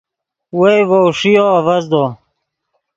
وئے ڤؤ ݰیو آڤزدو